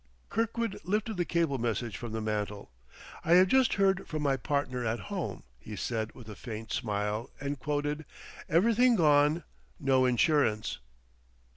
Kirkwood lifted the cable message from the mantel. "I have just heard from my partner at home," he said with a faint smile; and quoted: "'Everything gone; no insurance.'"